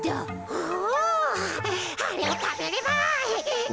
おあれをたべれば。